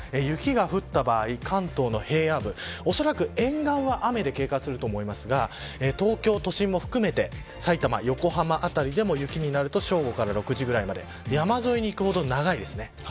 雪が降った場合、関東の平野部おそらく、沿岸は雨で経過すると思いますが東京都心も含めて埼玉、横浜辺りでも雪になると正午から９時ぐらいまで山沿いにいくほど長いですね。